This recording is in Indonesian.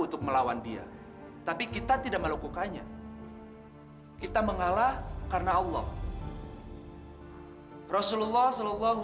untuk melawan dia tapi kita tidak melakukannya kita mengalah karena allah rasulullah saw